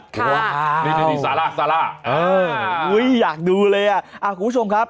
ค่ะนี่สาร่าสาร่าเอออุ้ยอยากดูเลยอ่ะอ่ะคุณผู้ชมครับ